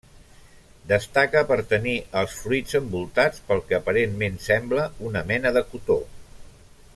Destaca per tenir els fruits envoltats pel que aparentment sembla una mena de cotó.